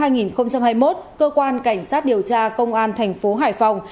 ngày một mươi một hai nghìn hai mươi một cơ quan cảnh sát điều tra công an tp hải phòng